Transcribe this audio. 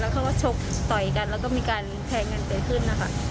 แล้วเขาก็ชบต่ออยู่กันแล้วก็มีการแพงเกินไปขึ้นนะค่ะ